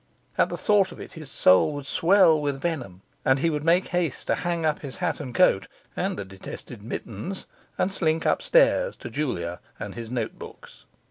At the thought of it his soul would swell with venom, and he would make haste to hang up his hat and coat and the detested mittens, and slink upstairs to Julia and his notebooks.